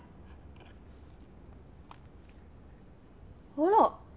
あら！